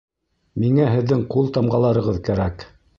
Миңә һеҙҙең ҡул тамғаларығыҙ кәрәк!